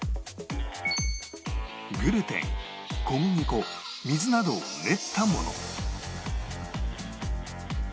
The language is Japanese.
グルテン小麦粉水などを練ったもの